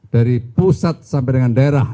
dari pusat sampai dengan daerah